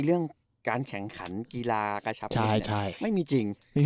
เรื่องการแข่งขันกีฬากระชับผ้าไม่มีจริง